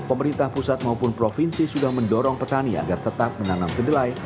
pemerintah pusat maupun provinsi sudah mendorong petani agar tetap menanam kedelai